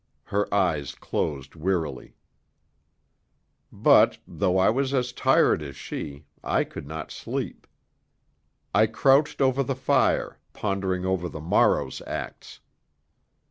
Her eyes closed wearily. But, though I was as tired as she, I could not sleep. I crouched over the fire, pondering over the morrow's acts.